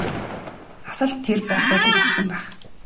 Цас л тэр бодлуудыг өгсөн байх.